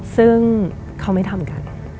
ซึ่งเขาไม่ทำกัน